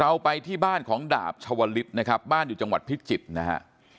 ไปที่บ้านของดาบชวลิศนะครับบ้านอยู่จังหวัดพิจิตรนะฮะ